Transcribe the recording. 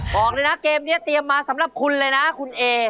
บอกเลยนะเกมนี้เตรียมมาสำหรับคุณเลยนะคุณเอ